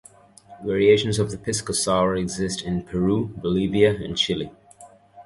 Variations of the pisco sour exist in Peru, Bolivia, and Chile.